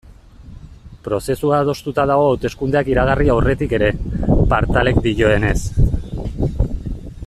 Prozesua adostuta dago hauteskundeak iragarri aurretik ere, Partalek dioenez.